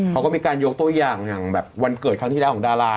เขาก็มีการยกตัวอย่างอย่างแบบวันเกิดครั้งที่แล้วของดารา